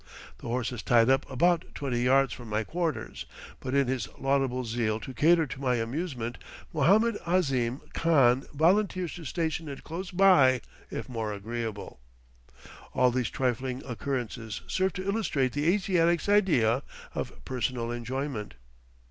The horse is tied up about twenty yards from my quarters, but in his laudable zeal to cater to my amusement Mohammed Ahzim Khan volunteers to station it close by if more agreeable. All these trifling occurrences serve to illustrate the Asiatic's idea of personal enjoyment.